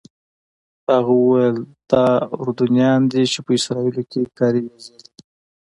هغه وویل دا اردنیان دي چې په اسرائیلو کې کاري ویزې لري.